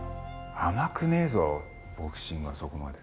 甘くねえぞボクシングはそこまで。